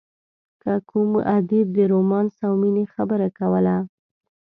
که کوم ادیب د رومانس او مینې خبره کوله.